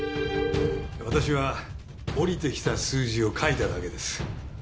私は降りてきた数字を書いただけです。